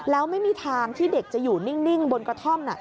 แล้วไม่มีทางที่เด็กจะอยู่นิ่งบนกระท่อม